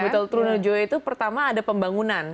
betul trunojoyo itu pertama ada pembangunan